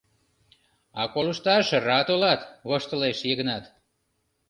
— А колышташ рат улат, — воштылеш Йыгнат.